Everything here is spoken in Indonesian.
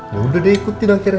yaudah dia ikutin akhirnya